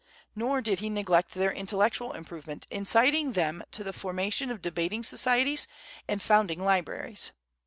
Nor did he neglect their intellectual improvement, inciting them to the formation of debating societies, and founding libraries.